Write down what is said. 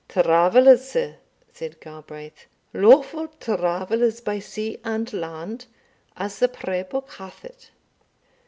"Travellers, sir," said Galbraith "lawful travellers by sea and land, as the prayer book hath it."